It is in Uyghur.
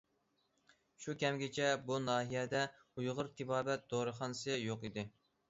شۇ كەمگىچە بۇ ناھىيەدە ئۇيغۇر تېبابەت دورىخانىسى يوق ئىدى.